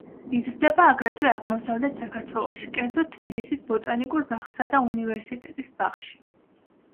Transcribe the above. იზრდება აგრეთვე აღმოსავლეთ საქართველოში, კერძოდ თბილისის ბოტანიკურ ბაღსა და უნივერსიტეტის ბაღში.